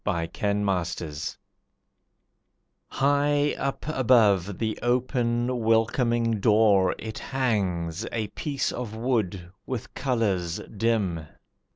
A Japanese Wood Carving High up above the open, welcoming door It hangs, a piece of wood with colours dim.